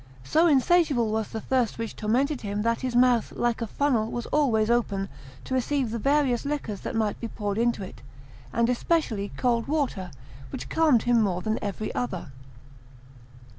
So insatiable was the thirst which tormented him that his mouth, like a funnel, was always open to receive the various liquors that might be poured into it, and especially cold water, which calmed him more than every other.